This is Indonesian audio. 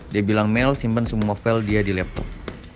dia bilang mel simpen semua novel dia di laptop